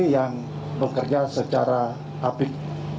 yang bekerja secara apik